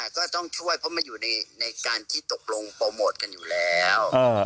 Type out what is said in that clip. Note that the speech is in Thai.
ก็ต้องช่วยเพราะมันอยู่ในการที่ตกลงโปรโมทกันอยู่แล้ว